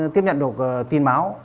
tiếp nhận được tin báo